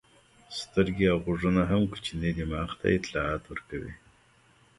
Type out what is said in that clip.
سترګې او غوږونه هم کوچني دماغ ته اطلاعات ورکوي.